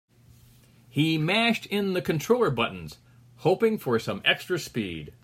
He mashed in the controller buttons, hoping for some extra speed.